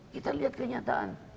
kita lihat kenyataan